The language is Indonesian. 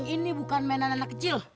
ini bukan mainan anak kecil